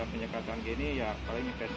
penyekatan gini ya paling intensitas